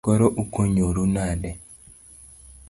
Koro ukonyoru nade?